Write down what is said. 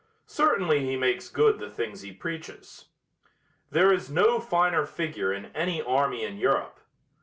Certainly he makes good the things he preaches. There is no finer figure in any army in Europe.